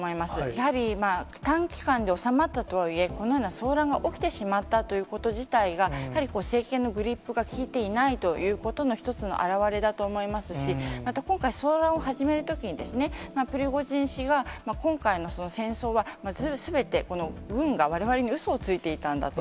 やはり短期間で収まったとはいえ、このような騒乱が起きてしまったということ自体が、やはり政権のグリップが効いていないということの一つの表れだと思いますし、また今回、騒乱を始めるときにですね、プリゴジン氏が、今回の戦争はすべて、この軍がわれわれにうそをついていたんだと。